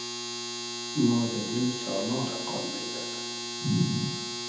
ما دۂ دیل سالا رۂ قان مݷدۂ کیدۉم